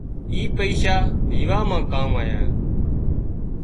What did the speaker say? اي پئيشا ويوان مان ڪام آيا